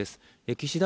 岸田